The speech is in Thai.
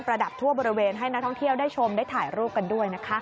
ระดับทั่วบริเวณให้นักท่องเที่ยวได้ชมได้ถ่ายรูปกันด้วยนะคะ